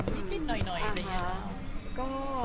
มีผิดหน่อยในเนียม